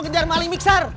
gengjar maling mixer